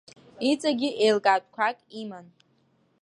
Иҵегьы еилкаатәқәак иман.